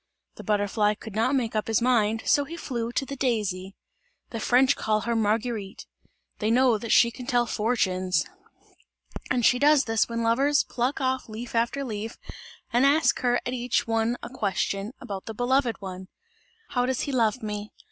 The butterfly could not make up his mind; so he flew to the daisy. The French call her Marguerite; they know that she can tell fortunes, and she does this when lovers pluck off leaf after leaf and ask her at each one a question about the beloved one: "How does he love me?